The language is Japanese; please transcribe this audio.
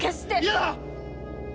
嫌だ！